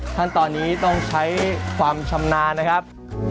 ขั้นตอนนี้ต้องใช้ความชำนาญนะครับ